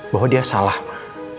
bahwa dia salah ma